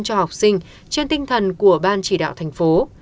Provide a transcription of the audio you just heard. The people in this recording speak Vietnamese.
cho học sinh trên tinh thần của ban chỉ đạo thành phố